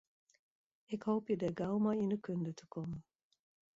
Ik hoopje dêr gau mei yn de kunde te kommen.